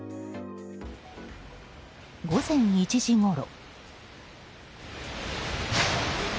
午前１時ごろ。